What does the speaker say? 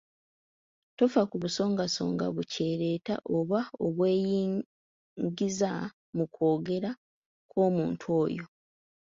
Tofa ku busongasonga bukyereeta oba obweyingiza mu kwogera kw’omuntu oyo.